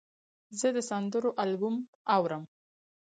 زه د سندرو البوم اورم.